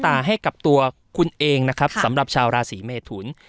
ให้กับตัวคุณเองนะครับสำหรับชาวราศีเมทุน